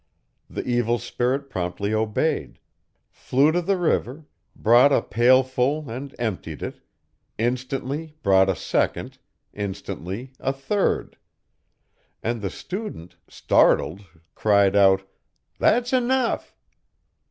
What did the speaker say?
The evil spirit promptly obeyed; flew to the river, brought a pailful and emptied it, instantly brought a second, instantly a third; and the student, startled, cried out, "that's enough!"